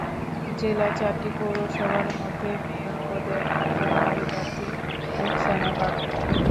জেলার চারটি পৌরসভার মধ্যে মেয়র পদে একমাত্র নারী প্রার্থী রোকসানা পারভীন।